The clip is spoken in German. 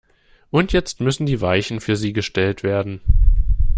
Und jetzt müssen die Weichen für sie gestellt werden.